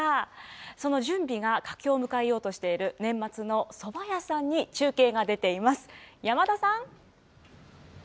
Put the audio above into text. その準備が佳境を迎えようとしている、年末のそば屋さんに中継が出ています。